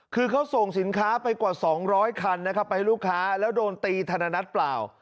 คือเขาส่งสินค้าไปกว่า๒๐๐คันนะครับไปให้ลูกค้าแล้วโดนตีธนนัดเปล่า